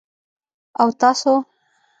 _او تاسو؟